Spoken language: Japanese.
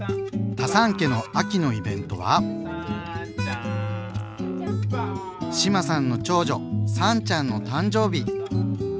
タサン家の秋のイベントは志麻さんの長女さんちゃんの誕生日。